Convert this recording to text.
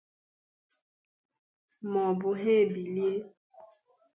maọbụ ha ebilie